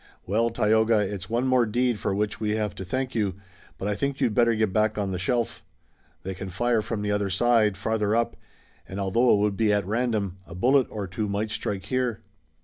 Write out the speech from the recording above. Well, Tayoga, it's one more deed for which we have to thank you, but I think you'd better get back on the shelf. They can fire from the other side, farther up, and although it would be at random, a bullet or two might strike here."